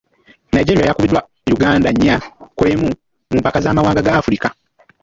Nigeria yakubiddwa Uganda nnya ku emu mu mpaka z'amawanga ga Africa.